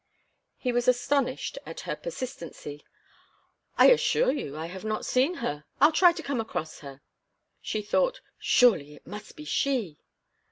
He was astonished at her persistency. "I assure you I have not seen her. I'll try to come across her." She thought: "Surely it must be she!"